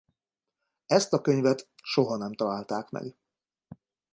Ezt a könyvet soha nem találták meg.